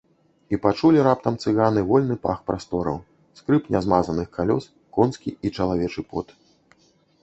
І пачулі раптам цыганы вольны пах прастораў, скрып нямазаных калёс, конскі і чалавечы пот.